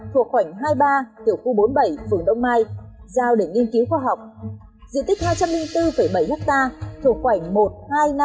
thuộc khoảnh hai mươi ba tiểu khu bốn mươi bảy phường đông mai giao để nghiên cứu khoa học diện tích hai trăm linh bốn bảy hecta thuộc khoảnh